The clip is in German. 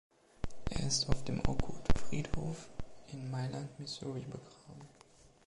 Er ist auf dem Oakwood-Friedhof in Mailand, Missouri, begraben.